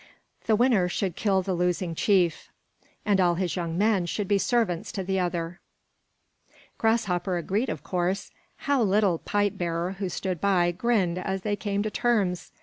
The winner should kill the losing chief, and all his young men should be servants to the other. Grasshopper agreed, of course how little Pipe bearer, who stood by, grinned as they came to terms!